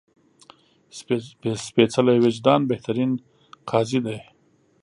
سپېڅلی وجدان بهترین قاضي ده